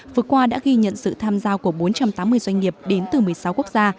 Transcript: vừa qua đã ghi nhận sự tham gia của bốn trăm tám mươi doanh nghiệp đến từ một mươi sáu quốc gia